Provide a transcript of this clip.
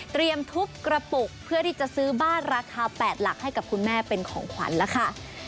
ทุบกระปุกเพื่อที่จะซื้อบ้านราคา๘หลักให้กับคุณแม่เป็นของขวัญแล้วค่ะ